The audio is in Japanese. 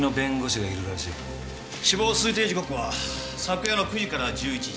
死亡推定時刻は昨夜の９時から１１時。